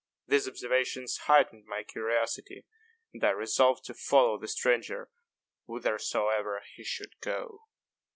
These observations heightened my curiosity, and I resolved to follow the stranger whithersoever he should go.